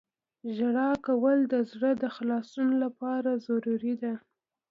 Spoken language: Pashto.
• ژړا کول د زړه د خلاصون لپاره ضروري ده.